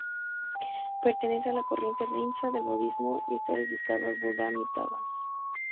Pertenece a la corriente Rinzai del budismo y está dedicado al Buddha Amitābha.